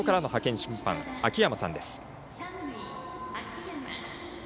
審判秋山さんです。